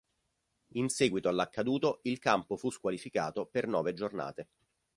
In seguito all'accaduto, il campo fu squalificato per nove giornate.